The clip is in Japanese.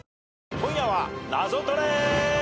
『今夜はナゾトレ』